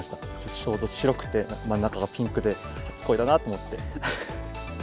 ちょうど白くて、真ん中がピンクで、初恋だなと思って。